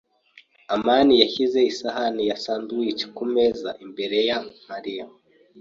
amani yashyize isahani ya sandwiches kumeza imbere ya Mariya.